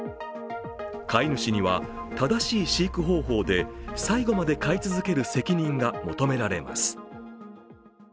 飼い主には正しい飼育方法で最後まで飼い続ける責任が求められます。